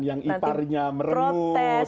yang iparnya merenung